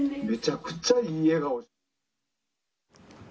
めちゃくちゃいい笑顔。